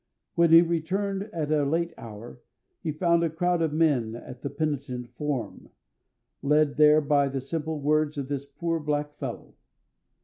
When he returned at a late hour, he found a crowd of men at the penitent form, led there by the simple words of this poor black fellow.